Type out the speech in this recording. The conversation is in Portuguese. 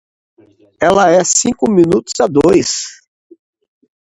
Ela é cinco minutos a dois.